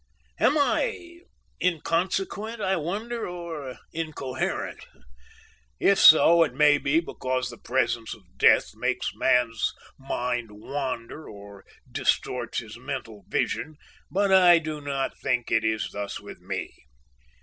"Am I inconsequent, I wonder, or incoherent? If so, it may be because the presence of death makes man's mind wander or distorts his mental vision, but I do not think it is thus with me.